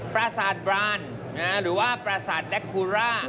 ปราสาทบรานด์หรือว่าปราสาทดัคคูระ